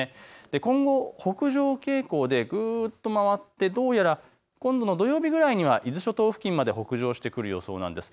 今後、北上傾向でぐっと回って、どうやら今度の土曜日くらいには伊豆諸島付近まで北上してくる予想なんです。